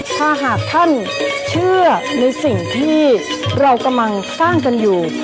ถ้าหากท่านเชื่อในสิ่งที่เรากำลังสร้างกันอยู่